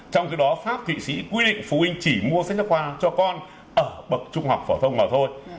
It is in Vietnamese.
trong khi đó pháp thụy sĩ quy định phụ huynh chỉ mua sách giáo khoa cho con ở bậc trung học phổ thông mà thôi